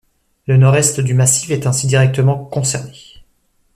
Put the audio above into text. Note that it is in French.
Le nord-est du massif est ainsi directement concerné.